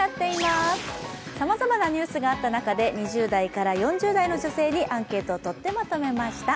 さまざまなニュースがあった中で２０代から４０代の女性にアンケートをとってまとめました。